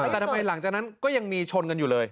แต่ทำไมหลังจากนั้นก็ยังมีชนกันอยู่เลย